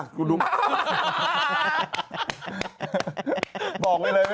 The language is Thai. บอกเลยไหมล่ะ